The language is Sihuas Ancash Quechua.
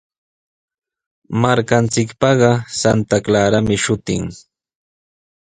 Markanchikpaqa Santa Clarami shutin.